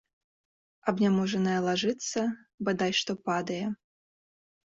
Абняможаная лажыцца, бадай што падае.